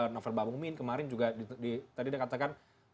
novel bang umin kemarin juga di tadi dikatakan